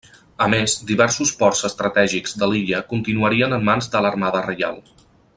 A més, diversos ports estratègics de l'illa continuarien en mans de l'Armada Reial.